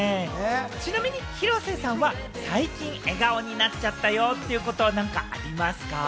ちなみに広瀬さんは最近笑顔になっちゃったよってこと、なんかありますか？